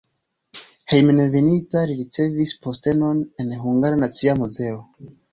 Hejmenveninta li ricevis postenon en Hungara Nacia Muzeo.